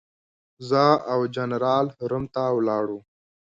زه او جنرال روم ته ولاړو.